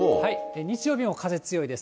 日曜日も風強いです。